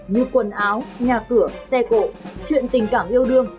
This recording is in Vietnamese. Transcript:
như quần áo nhà cửa xe cộ chuyện tình cảm yêu đương